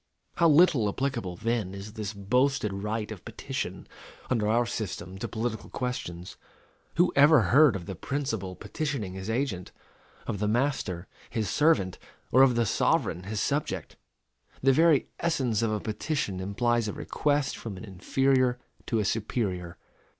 How little applicable, then, is this boasted right of petition, under our system, to political questions? Who ever heard of the principal petitioning his agent of the master, his servant or of the sovereign, his subject? _The very essence of a petition implies a request from an inferior to a superior.